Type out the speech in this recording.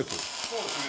そうですね。